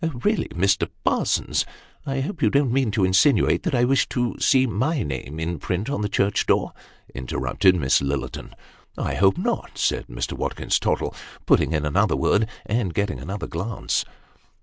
" Really, Mr. Parsons, I hope you don't mean to insinuate that I wish to see my name in print, on the church door," interrupted Miss Lillerton. " I hope not," said Mr. Watkins Tottle, putting in another word, and getting another glance.